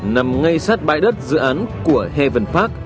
nằm ngay sát bãi đất dự án của hevn park